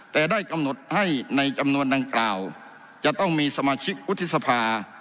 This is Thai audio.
แต่ได้กำหนดให้ในจำนวนดังกล่าวจะต้องมีสมาชิกวุฒิสภา